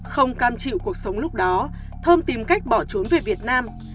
không cam chịu cuộc sống lúc đó thơm tìm cách bỏ trốn về việt nam